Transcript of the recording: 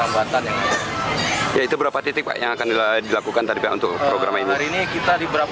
beberapa titik tentunya di setiap penungsian yang ada